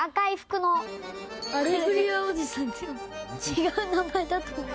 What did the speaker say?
違う名前だと思う。